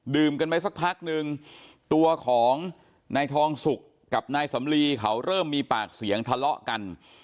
กันไปสักพักนึงตัวของนายทองสุกกับนายสำลีเขาเริ่มมีปากเสียงทะเลาะกัน